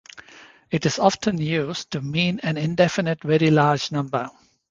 It is often used to mean an indefinite very large number.